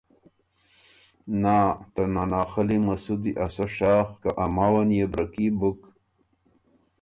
نا ته ناناخلی مسُدی ا سۀ شاخ که ا ماوه نيې بره کي بُک